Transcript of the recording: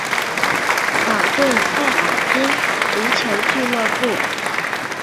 保顿艾尔宾足球俱乐部。